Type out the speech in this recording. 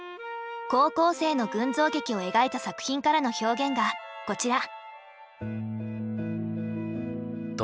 高校生の群像劇を描いた作品からの表現がこちら。